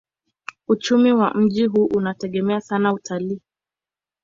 Uchumi wa mji huu unategemea sana utalii.